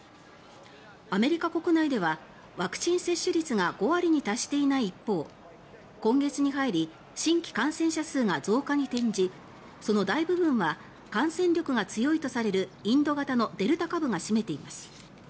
アメリカ国内ではワクチン接種率が５割に達していない一方今月に入り新規感染者数が増加に転じその大部分は感染力が強いとされるインド型のデルタ株が占めています。